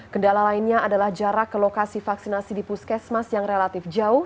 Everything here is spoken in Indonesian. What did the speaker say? kendala lainnya adalah jarak ke lokasi vaksinasi di puskesmas yang relatif jauh